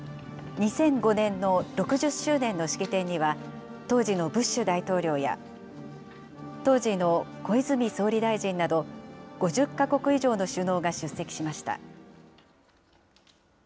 ２００５年の６０周年の式典には、当時のブッシュ大統領や、当時の小泉総理大臣など、５０か国以上の首脳が出席しました。